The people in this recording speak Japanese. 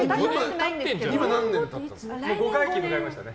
今何年経ってるんですか？